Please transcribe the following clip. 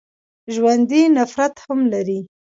ژوندي نفرت هم لري